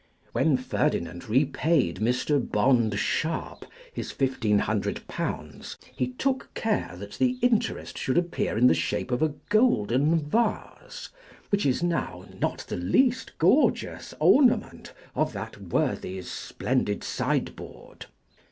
When Ferdinand repaid Mr. Bond Sharpe his fifteen hundred pounds, he took care that the interest should appear in the shape of a golden vase, which is now not the least gorgeous ornament of that worthy's splendid sideboard.